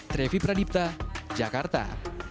trevi pradipta jakarta